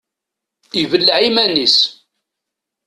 Ibelleɛ iman-is.